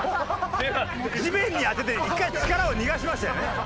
地面に当てて１回力を逃がしましたよね。